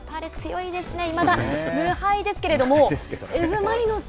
いまだ無敗ですけれどもＦ・マリノス。